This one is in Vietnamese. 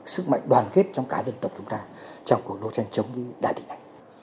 sức mạnh đoàn kết trong cả dân tộc chúng ta trong cuộc đấu tranh chống đại dịch này